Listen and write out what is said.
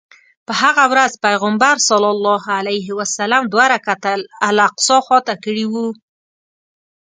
په هغه ورځ پیغمبر صلی الله علیه وسلم دوه رکعته الاقصی خواته کړی و.